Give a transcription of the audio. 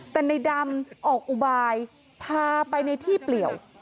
แต่ในดำออกอุบายพาไปในที่เปลี่ยว